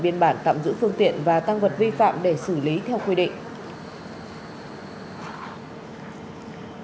biên bản tạm giữ phương tiện và tăng vật vi phạm để xử lý theo quy định